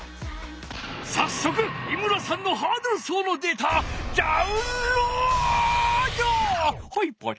さっそく井村さんのハードル走のデータダウンロード！